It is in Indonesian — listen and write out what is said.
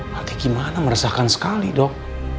nanti gimana meresahkan sekali dok